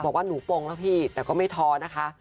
บอกว่าหนูปงแล้วพี่แต่ก็ไม่ท้อนะคะ